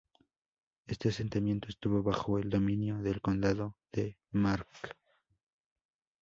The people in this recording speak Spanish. Este asentamiento estuvo bajo el dominio del Condado de Mark.